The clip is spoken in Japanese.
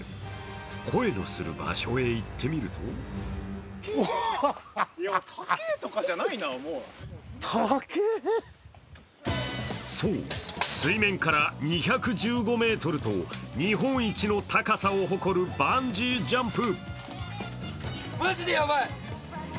声のする場所へ行ってみるとそう、水面から２１５ｍと日本一の高さを誇るバンジージャンプ。